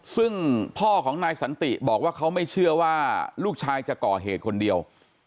ซึ่งพ่อของนายสันติบอกว่าเขาไม่เชื่อว่าลูกชายจะก่อเหตุคนเดียว